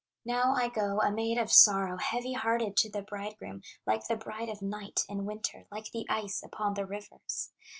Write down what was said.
Now I go, a maid of sorrow, Heavy hearted to the bridegroom, Like the bride of Night in winter, Like the ice upon the rivers.